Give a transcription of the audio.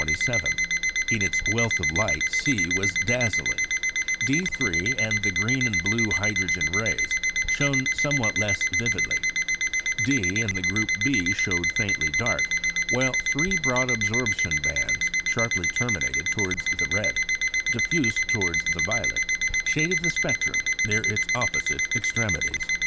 In its wealth of light C was dazzling; D_3 and the green and blue hydrogen rays shone somewhat less vividly; D and the group b showed faintly dark; while three broad absorption bands, sharply terminated towards the red, diffuse towards the violet, shaded the spectrum near its opposite extremities.